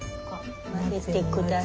混ぜて下さい。